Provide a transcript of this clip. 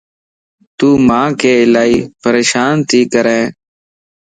تو مانک الائي پريشان تي ڪرين